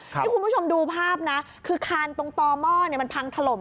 นี่คุณผู้ชมดูภาพนะคือคานตรงต่อหม้อมันพังถล่ม